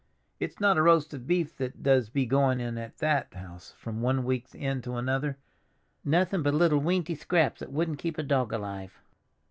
It's not a roast of beef that does be going in at that house from one week's end to another—nothin' but little weenty scraps that wouldn't keep a dog alive.